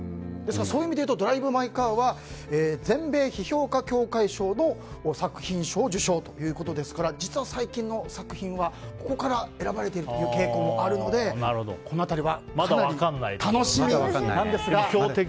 そういう意味で言うと「ドライブ・マイ・カー」は全米批評家協会賞の作品賞を受賞ということですから実は最近の作品はここから選ばれているという傾向もあるのでこの辺りかなり楽しみなんですが。